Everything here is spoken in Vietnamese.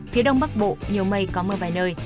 phía đông bắc bộ nhiều mây có mưa vài nơi